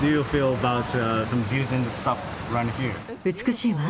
美しいわ。